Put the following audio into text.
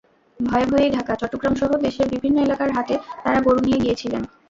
ভয়ে ভয়েই ঢাকা, চট্টগ্রামসহ দেশের বিভিন্ন এলাকার হাটে তাঁরা গরু নিয়ে গিয়েছিলেন।